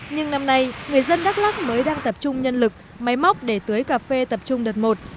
nhưng năm nay người dân đắk lắc mới đang tập trung nhân lực máy móc để tưới cà phê tập trung đợt một